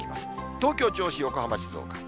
東京、銚子、横浜、静岡。